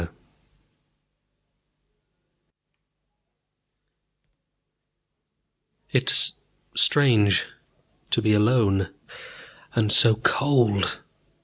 _ It is strange to be alone, and so cold.